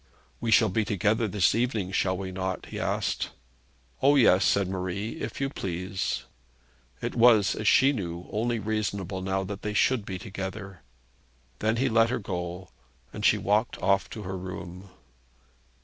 'We shall be together this evening; shall we not?' he asked. 'O, yes,' said Marie, 'if you please.' It was, as she knew, only reasonable now that they should be together. Then he let her go, and she walked off to her room.